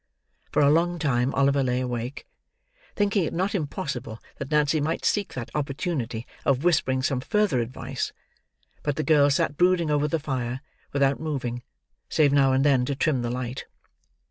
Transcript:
For a long time Oliver lay awake, thinking it not impossible that Nancy might seek that opportunity of whispering some further advice; but the girl sat brooding over the fire, without moving, save now and then to trim the light.